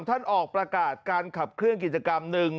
ท่านออกประกาศการขับเคลื่อนกิจกรรมหนึ่ง